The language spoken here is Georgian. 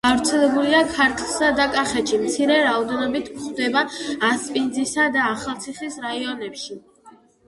გავრცელებულია ქართლსა და კახეთში, მცირე რაოდენობით გვხვდება ასპინძისა და ახალციხის რაიონებში.